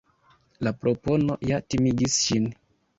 La propono ja timigis ŝin.